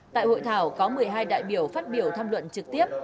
tại hội thảo có một mươi hai đại biểu phát biểu tham luận trực tiếp